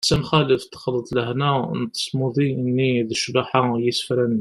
d tamxaleft : texleḍ lehna n tasmuḍi-nni d ccbaḥa n yisefra-nni